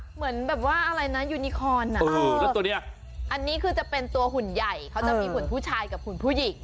เหมือนแบบว่าอะไรนะยูนิคอนอ่ะแล้วตัวนี้อันนี้คือจะเป็นตัวหุ่นใหญ่เขาจะมีหุ่นผู้ชายกับหุ่นผู้หญิง